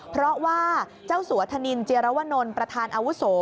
เพราะว่าเจ้าสัวธนินเจียรวนลประธานอาวุโส